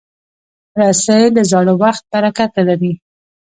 رسۍ له زاړه وخت برکته لري.